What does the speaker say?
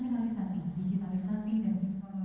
digitalisasi dan informasi